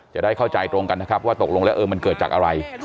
จะได้เข้าใจตรงกันนะครับว่าตกลงแล้วเออมันเกิดจากอะไร